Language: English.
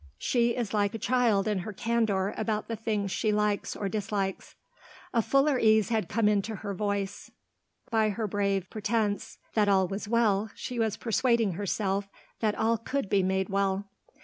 She is like a child in her candour about the things she likes or dislikes." A fuller ease had come to her voice. By her brave pretence that all was well she was persuading herself that all could be made well.